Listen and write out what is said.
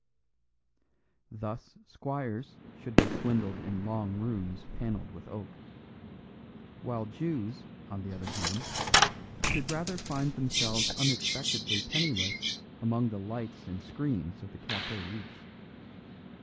Thus squires should be swindled in long rooms panelled with oak; while Jews, on the other hand, should rather find themselves unexpectedly penniless among the lights and screens of the Café Riche.